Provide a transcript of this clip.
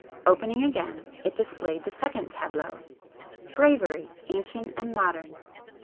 Opening again, it displayed the second tableau—'Bravery—Ancient and Modern.